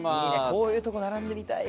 「こういうとこ並んでみたい！」